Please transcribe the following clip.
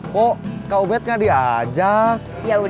kok kak ubed gak diajak